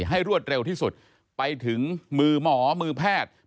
รวดเร็วที่สุดไปถึงมือหมอมือแพทย์